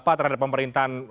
apa terhadap pemerintahan